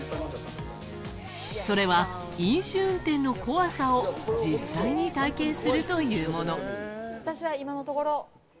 それは飲酒運転の怖さを実際に体験するというもの。